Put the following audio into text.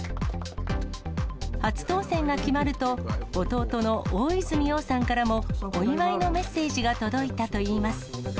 初当選が決まると、弟の大泉洋さんからも、お祝いのメッセージが届いたといいます。